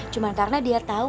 cuman karena dia tau